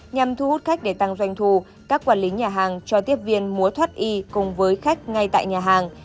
nhằm thu hút khách để tăng doanh thu các quản lý nhà hàng cho tiếp viên mua thoát y cùng với khách ngay tại nhà hàng